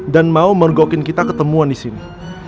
dan mau mergokin kita ketemuan disini